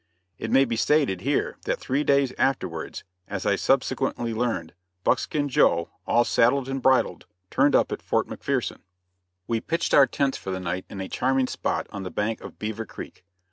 It maybe stated here that three days afterwards, as I subsequently learned, Buckskin Joe, all saddled and bridled, turned up at Fort McPherson. We pitched our tents for the night in a charming spot on the bank of Beaver Creek.